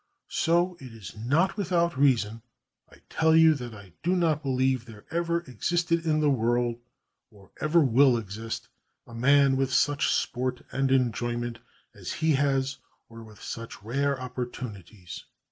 So it is not without reason I tell you that I do not believe there ever existed in the world, or ever will exist, a man with such sport and enjoyment as he has or with such rare opportunities.